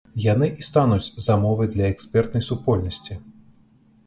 Яны і стануць замовай для экспертнай супольнасці.